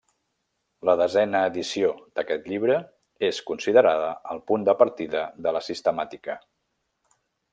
La desena edició d'aquest llibre és considerada el punt de partida de la sistemàtica.